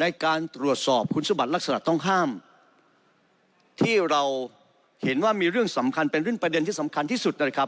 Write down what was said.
ในการตรวจสอบคุณสมบัติลักษณะต้องห้ามที่เราเห็นว่ามีเรื่องสำคัญเป็นเรื่องประเด็นที่สำคัญที่สุดนะครับ